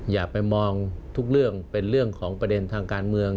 อย่าไปมองทุกเรื่องเป็นเรื่องของประเด็นทางการเมือง